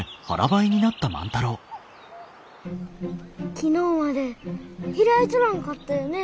昨日まで開いちょらんかったよね？